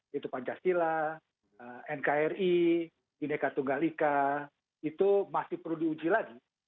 yaitu pancasila nkri bineka tunggal ika itu masih perlu diuji lagi